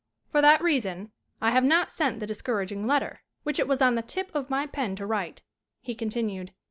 "For that reason I have not sent the dis couraging letter which it was on the tip of my pen to write," he continued.